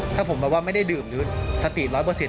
ถ้าผมแบบว่าไม่ได้ดื่มหรือสติดร้อยเปอร์สิน